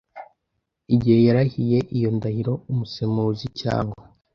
Igihe yarahiye iyo ndahiro umusemuzi cyangwa